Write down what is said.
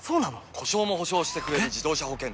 故障も補償してくれる自動車保険といえば？